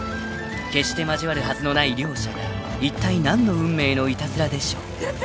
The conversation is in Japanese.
［決して交わるはずのない両者がいったい何の運命のいたずらでしょう？］